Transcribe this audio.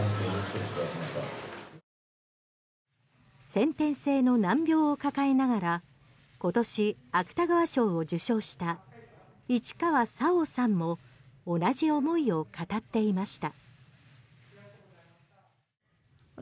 先天性の難病を抱えながら今年、芥川賞を受賞した市川沙央さんも同じ思いを語っていました。